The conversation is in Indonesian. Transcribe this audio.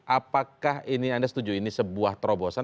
apakah ini anda setuju ini sebuah terobosan